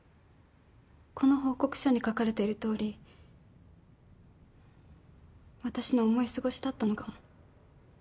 この報告書に書かれているとおり私の思い過ごしだったのかも。